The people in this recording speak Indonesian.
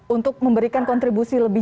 untuk memberikan kontribusi lebih